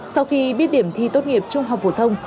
sau khi biết điểm thi tốt nghiệp trung học phổ thông